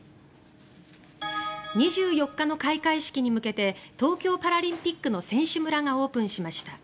２４日の開会式に向けて東京パラリンピックの選手村がオープンしました。